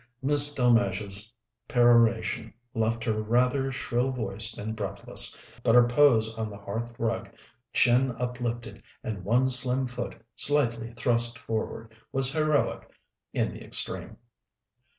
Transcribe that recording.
Miss Delmege's peroration left her rather shrill voiced and breathless, but her pose on the hearth rug, chin uplifted and one slim foot slightly thrust forward, was heroic in the extreme.